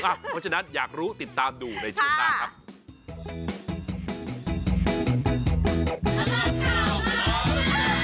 เพราะฉะนั้นอยากรู้ติดตามดูในช่วงหน้าครับ